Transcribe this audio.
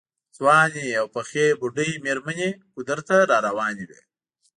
ځوانې او پخې بوډۍ مېرمنې ګودر ته راروانې وې.